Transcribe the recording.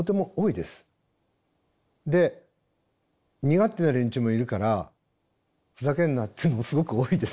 で身勝手な連中もいるから「ふざけんな」っていうのもすごく多いです。